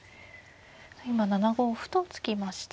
今７五歩と突きました。